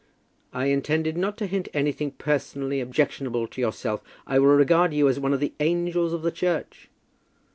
"I intended not to hint anything personally objectionable to yourself. I will regard you as one of the angels of the church."